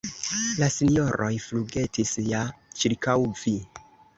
La sinjoroj flugetis ja ĉirkaŭ vi.